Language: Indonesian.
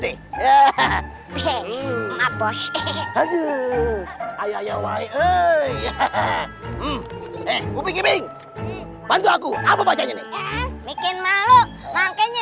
hai ngapos aja ayo ya why hehehe eh mbing bantu aku apa pacarnya bikin makhluk makanya